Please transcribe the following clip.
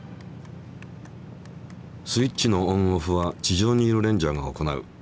スイッチのオンオフは地上にいるレンジャーが行う。